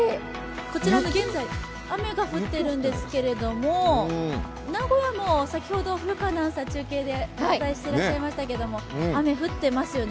こちら現在、雨が降っているんですけれども、名古屋も先ほど中継でお伝えしていましたけれども、雨、降ってますよね。